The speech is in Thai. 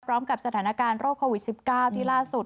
สถานการณ์โรคโควิด๑๙ที่ล่าสุด